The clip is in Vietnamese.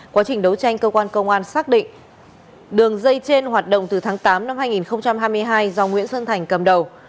quá trình đấu tranh cơ quan công an xác định đường dây trên hoạt động từ tháng tám năm hai nghìn hai mươi hai do nguyễn xuân thành cầm đầu